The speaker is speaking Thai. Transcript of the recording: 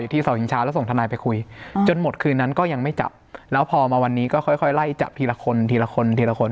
ทีนั้นก็ยังไม่จับแล้วพอมาวันนี้ก็ค่อยไล่จับทีละคนทีละคนทีละคน